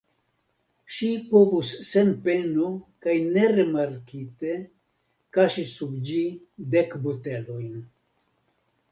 Ŝi povus sen peno kaj nerimarkite kaŝi sub ĝi dek botelojn.